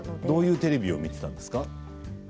どういうテレビを見ていたんですか？